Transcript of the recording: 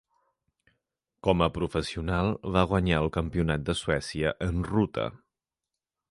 Com a professional va guanyar el Campionat de Suècia en ruta.